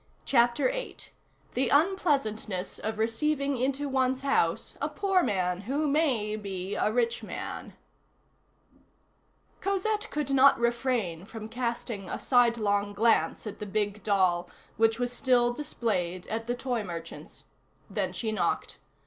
CHAPTER VIII—THE UNPLEASANTNESS OF RECEIVING INTO ONE'S HOUSE A POOR MAN WHO MAY BE A RICH MAN Cosette could not refrain from casting a sidelong glance at the big doll, which was still displayed at the toy merchant's; then she knocked.